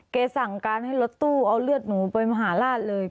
สั่งการให้รถตู้เอาเลือดหนูไปมหาราชเลย